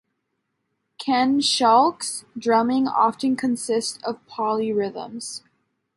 Ken Schalk's drumming often consists of polyrhythms.